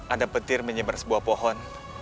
ada petir menyebar sebuah pohon